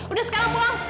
udah sekarang pulang